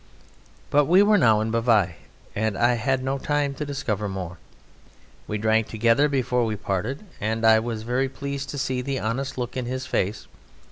But we were now in Bavai, and I had no time to discover more. We drank together before we parted, and I was very pleased to see the honest look in his face.